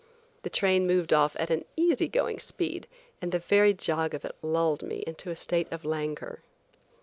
The train moved off at an easy going speed, and the very jog of it lulled me into a state of languor.